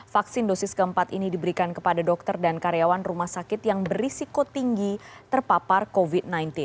vaksin dosis keempat ini diberikan kepada dokter dan karyawan rumah sakit yang berisiko tinggi terpapar covid sembilan belas